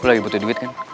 lo lagi butuh duit kan